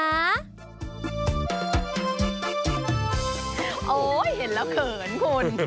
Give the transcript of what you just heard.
โอ้โหเห็นแล้วเขินคุณ